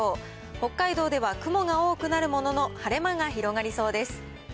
北海道では雲が多くなるものの、晴れ間が広がりそうです。